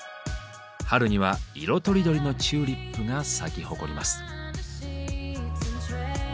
春には色とりどりのチューリップが咲き誇ります。